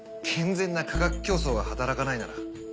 健全な価格競争が働かないなら